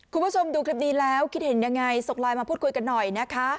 คุณผู้ชมดูคลิปนี้แล้วคิดเห็นยังไงส่งไลน์มาพูดคุยกันหน่อยนะคะ